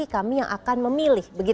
kami yang akan memilih